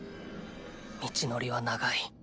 道のりは長い。